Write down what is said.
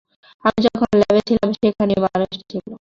আমি যখন ল্যাবে ছিলাম, সেখানে এই মানুষটা ছিল।